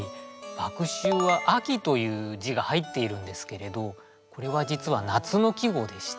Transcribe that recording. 「麦秋」は秋という字が入っているんですけれどこれは実は夏の季語でして。